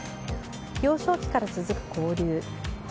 幼少期から続く交流。